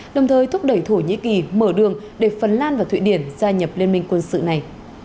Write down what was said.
đồng thời thúc đẩy thổ nhĩ kỳ mở đường để phần lan và thụy điển gia nhập liên minh quân sự này